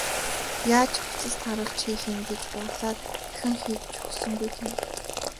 Яаж хувцас тааруулж хийх юм гэж уурлаад дахин хийж өгсөнгүй гэнэ.